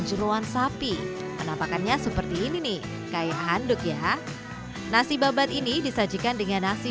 jeruan sapi penampakannya seperti ini nih kayak handuk ya nasi babat ini disajikan dengan nasi